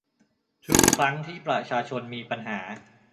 ทุกครั้งที่ประชาชนมีปัญหา